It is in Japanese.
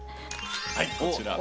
はいこちら。